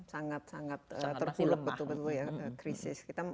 sangat sangat terpulup betul betul ya krisis